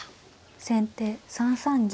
先手３三銀。